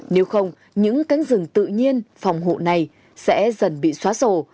nếu không những cánh rừng tự nhiên phòng hộ này sẽ dần bị xóa sổ